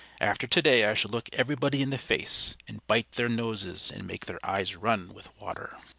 After to day I shall look everybody in the face, and bite their noses, and make their eyes run with water."